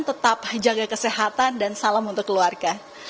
tetap jaga kesehatan dan salam untuk keluarga